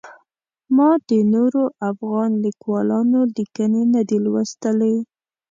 ما د نورو افغان لیکوالانو لیکنې نه دي لوستلي.